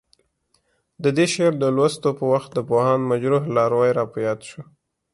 د دې شعر د لوستو په وخت د پوهاند مجروح لاروی راپه یاد شو.